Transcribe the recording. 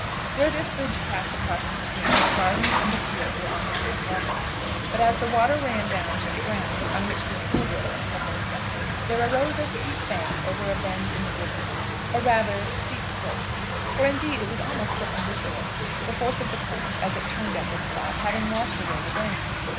Where this bridge passed across the stream the gardens and the field were on the same level. But as the water ran down to the ground on which the school buildings had been erected, there arose a steep bank over a bend in the river, or, rather, steep cliff; for, indeed, it was almost perpendicular, the force of the current as it turned at this spot having washed away the bank.